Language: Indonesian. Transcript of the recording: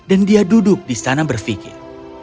dan dia duduk di sana berfikir